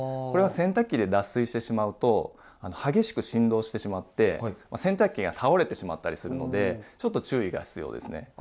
これは洗濯機で脱水してしまうと激しく振動してしまって洗濯機が倒れてしまったりするのでちょっと注意が必要ですね。